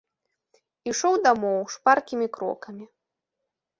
Ішоў дамоў шпаркімі крокамі.